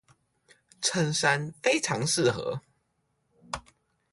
襯衫非常適合